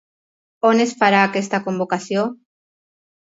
On es farà aquesta convocació?